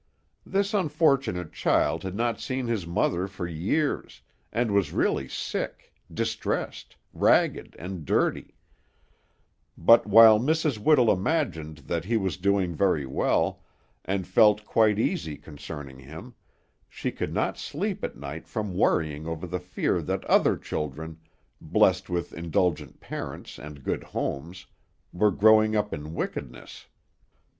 This unfortunate child had not seen his mother for years, and was really sick, distressed, ragged, and dirty; but while Mrs. Whittle imagined that he was doing very well, and felt quite easy concerning him, she could not sleep at night from worrying over the fear that other children, blessed with indulgent parents and good homes, were growing up in wickedness.